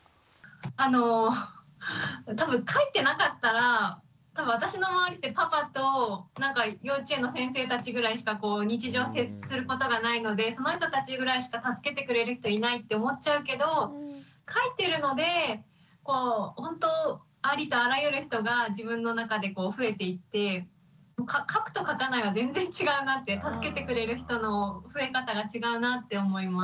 あの多分書いてなかったら多分私の周りってパパと幼稚園の先生たちぐらいしか日常接することがないのでその人たちぐらいしか助けてくれる人いないって思っちゃうけど書いてるのでほんとありとあらゆる人が自分の中で増えていって書くと書かないは全然違うなって助けてくれる人の増え方が違うなって思います。